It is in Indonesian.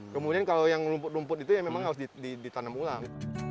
kemudian kalau yang rumput rumput itu ya memang harus ditanam ulang